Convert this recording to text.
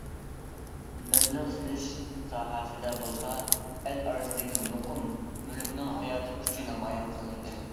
مەبلەغ سېلىش ساھەسىدە بولسا، ئەل ئارىسىدىكى مۇقىم مۈلۈكنىڭ ھاياتى كۈچى نامايان قىلىندى.